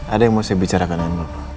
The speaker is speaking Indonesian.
ada yang mau saya bicarakan aja pak